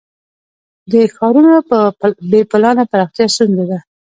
د ښارونو بې پلانه پراختیا ستونزه ده.